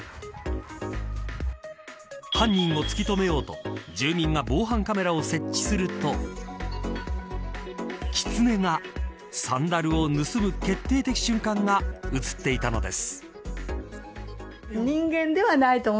犯人を突き止めようと住民が防犯カメラを設置するとキツネがサンダルを盗む決定的瞬間が映っていたのです。